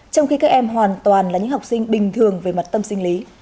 trong khi các em hoàn toàn là những học sinh bình thường về mặt tâm sinh lý